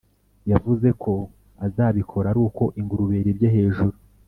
Yavuze ko azabikora aruko ingurube irebye hejuru